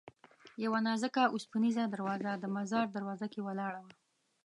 یوه نازکه اوسپنیزه دروازه د مزار دروازه کې ولاړه وه.